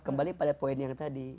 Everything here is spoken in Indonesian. kembali pada poin yang tadi